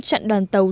trận đoàn tàu